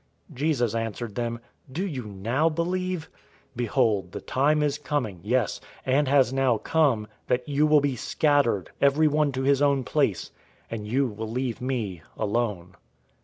016:031 Jesus answered them, "Do you now believe? 016:032 Behold, the time is coming, yes, and has now come, that you will be scattered, everyone to his own place, and you will leave me alone.